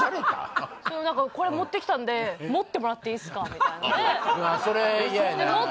これ持ってきたんで持ってもらっていいっすかみたいなうわ